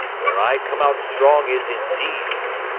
Where I come out strong is in deeds.